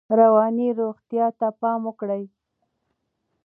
رواني روغتیا ته پام وکړئ.